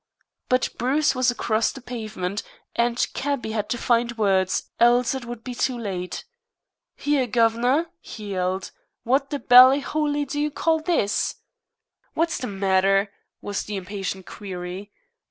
But Bruce was across the pavement, and cabby had to find words, else it would be too late. "Here guv'nor," he yelled, "what the ballyhooley do you call this?" "What's the matter?" was the impatient query.